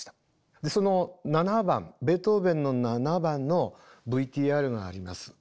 その７番ベートーヴェンの７番のＶＴＲがあります。